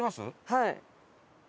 はい。